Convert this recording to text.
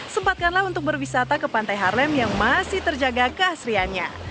sempatkanlah untuk berwisata ke pantai harlem yang masih terjaga keasriannya